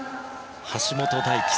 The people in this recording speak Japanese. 橋本大輝。